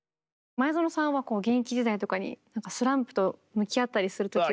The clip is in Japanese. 前園さんは現役時代とかにスランプと向き合ったりする時は。